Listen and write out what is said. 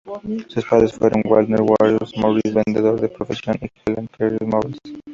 Sus padres fueron Walter W. Morris, vendedor de profesión, y Helen Kelly Morris.